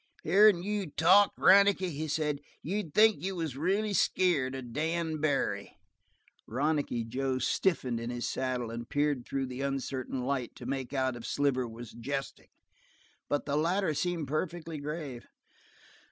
"Hearin' you talk, Ronicky," he said, "you'd think you was really scared of Dan Barry." Ronicky Joe stiffened in his saddle and peered through the uncertain light to make out if Sliver were jesting. But the latter seemed perfectly grave.